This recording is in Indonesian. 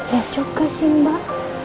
ya coba sih mbak